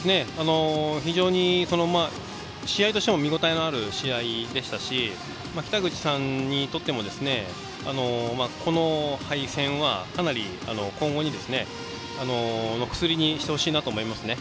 非常に試合としても見応えのある試合でしたし北口さんにとっても、この敗戦は今後の薬にしてほしいですね。